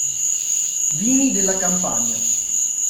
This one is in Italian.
Vini della Campania